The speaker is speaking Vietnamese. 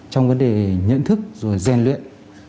trong vấn đề nhận thức rồi gian luyện